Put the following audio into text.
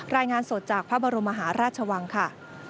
รายงานสดจากพระบรมมหาราชวังค่ะ